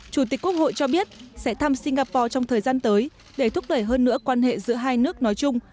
chủ tịch quốc hội cho biết sẽ thăm singapore trong thời gian tới để thúc đẩy hơn nữa quan hệ giữa hai nước nói chung